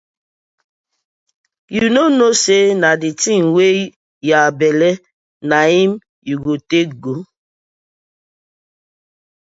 Yu no kno say na di tin wey yah belle na im yu go take go.